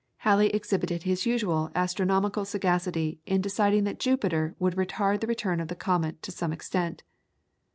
Halley exhibited his usual astronomical sagacity in deciding that Jupiter would retard the return of the comet to some extent.